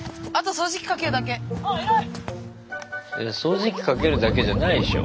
掃除機かけるだけじゃないでしょ。